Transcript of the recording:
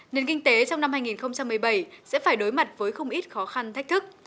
nền kinh tế trong năm hai nghìn một mươi bảy sẽ phải đối mặt với không ít khó khăn thách thức